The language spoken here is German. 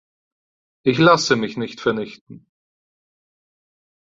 Ich lasse mich nicht vernichten!